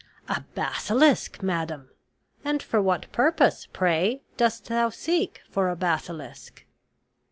"A basilisk, madam! and for what purpose, pray, dost thou seek for a basilisk?"